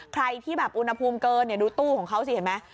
ใครที่แบบอุณหภูมิเกินดูตู้ของเขาสิเห็นไหม